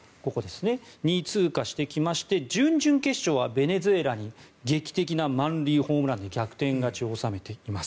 ２位通過してきまして準々決勝はベネズエラに劇的な満塁ホームランで逆転勝ちを収めています。